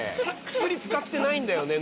薬使ってないんだよね？